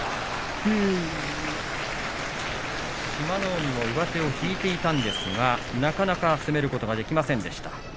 海も上手を引いてたんですがなかなか攻めることができませんでした。